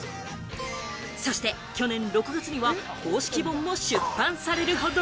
そして去年６月には公式本も出版されるほど。